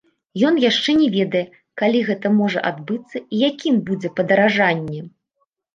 Ён яшчэ не ведае, калі гэта можа адбыцца і якім будзе падаражанне.